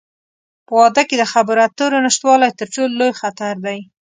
په واده کې د خبرو اترو نشتوالی، تر ټولو لوی خطر دی.